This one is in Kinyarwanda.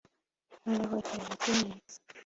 Noneho ikiraro kimanitse